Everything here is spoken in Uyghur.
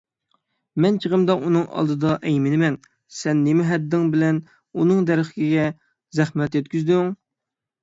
مەن چېغىمدا ئۇنىڭ ئالدىدا ئەيمىنىمەن، سەن نېمە ھەددىڭ بىلەن ئۇنىڭ دەرىخىگە زەخمەت يەتكۈزدۈڭ؟